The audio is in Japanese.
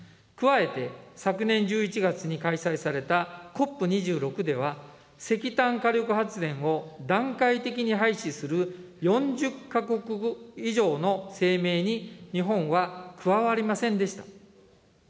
加えて昨年１１月に開催されたＣＯＰ２６では、石炭火力発電を段階的に廃止する４０か国以上の声明に日本は加わりませんでした。